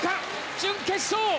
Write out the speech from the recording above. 準決勝！